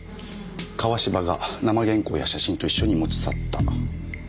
川芝が生原稿や写真と一緒に持ち去った。